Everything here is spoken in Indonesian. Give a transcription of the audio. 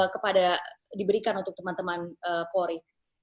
kepada diberikan untuk teman teman polri